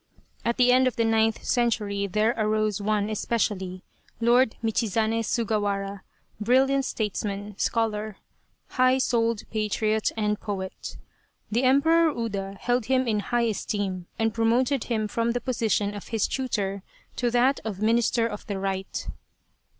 At the end of the ninth century there arose one especially, Lord Michizane Suguwara, brilliant statesman, scholar, high souled patriot and poet. The Emperor Uda held him in high esteem and promoted him from the position of his tutor to that of Minister of the Right.